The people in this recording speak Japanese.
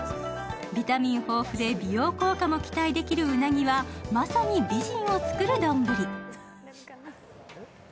ビタミン豊富で美容効果も期待できるうなぎは、まさに美人を作る丼。